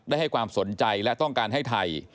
ให้ความสนใจและต้องการให้ไทย